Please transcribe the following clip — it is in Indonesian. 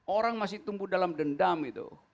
orang masih tumbuh dalam dendam itu